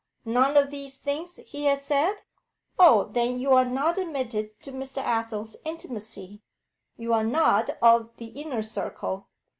None of these things he has said? Oh, then you are not admitted to Mr. Athel's intimacy; you are not of the inner circle.'